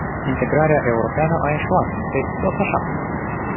Integrarea europeană a eșuat, deci tot așa!